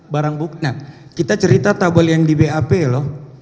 barang bukti nah kita cerita tabel yang di bap loh